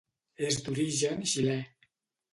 És d'origen xilè.